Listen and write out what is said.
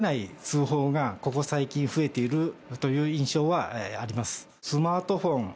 思いがけない通報が、ここ最近増えているという印象はあります。